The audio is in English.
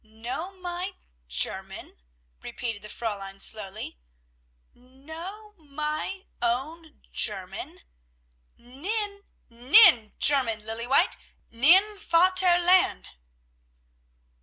"Know my own German?" repeated the Fräulein slowly. "Know my own German? Nein! Nein! German, Lilly White! Nein Vater Land.